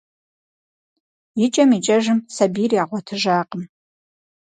Икӏэм-икӏэжым сабийр ягъуэтыжакъым.